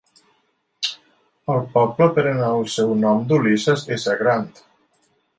El poble pren el seu nom d'Ulysses S. Grant.